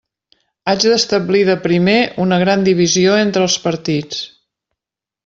Haig d'establir de primer una gran divisió entre els partits.